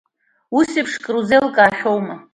Усеиԥш акры узеилкаахьоума?